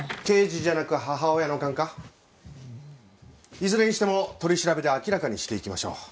いずれにしても取り調べで明らかにしていきましょう。